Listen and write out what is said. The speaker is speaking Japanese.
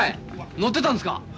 乗ってたんですか？